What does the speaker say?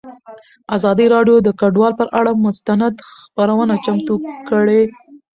ازادي راډیو د کډوال پر اړه مستند خپرونه چمتو کړې.